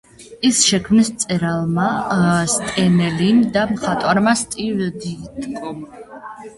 ის შექმნეს მწერალმა სტენ ლიმ და მხატვარმა სტივ დიტკომ.